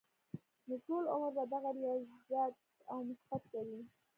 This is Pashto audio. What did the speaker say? نو ټول عمر به دغه رياضت او مشقت کوي -